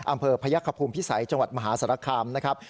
อำเภอพยักษภูมิพิสัยจังหวัดมหาสารคามนะครับ